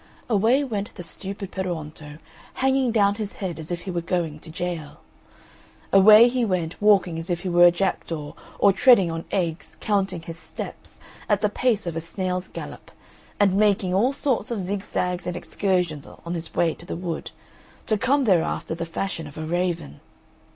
Away went the stupid Peruonto, hanging down his head as if he was going to gaol. Away he went, walking as if he were a jackdaw, or treading on eggs, counting his steps, at the pace of a snail's gallop, and making all sorts of zigzags and excursions on his way to the wood, to come there after the fashion of a raven.